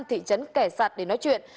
thị trấn kẻ sạt để nói chuyện